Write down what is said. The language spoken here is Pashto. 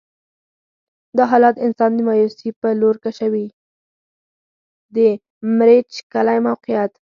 د مريچ کلی موقعیت